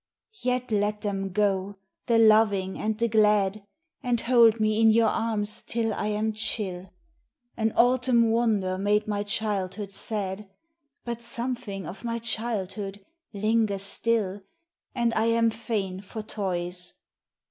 Yet, let them go, the loving and the glad, And hold me in your arms till I am chill ; An autumn wonder made my childhood sad, But something of my childhood lingers still And I am fain for toys.